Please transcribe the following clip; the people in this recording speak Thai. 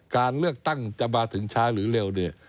การเลือกตั้งจะมาถึงช้าหรือเร็วเนี่ย